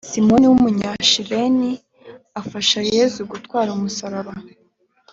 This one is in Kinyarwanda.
simoni w’ umunyasireni afasha yezu gutwara umusaraba